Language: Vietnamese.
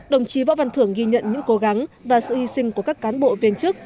đồng chí võ văn thưởng ghi nhận những cố gắng và sự hy sinh của các cán bộ viên chức